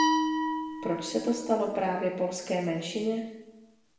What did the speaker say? Proč se to stalo právě polské menšině?